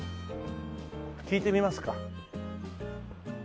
聞いてみますか。